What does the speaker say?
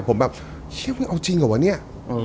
ผมแบบเฮียมึงเอาจริงเหรอวะเนี่ย